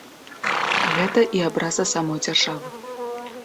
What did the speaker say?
Гэта і абраза самой дзяржавы.